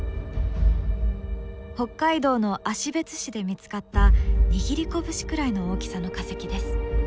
北海道の芦別市で見つかった握り拳くらいの大きさの化石です。